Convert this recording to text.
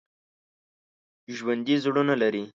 ژوندي زړونه لري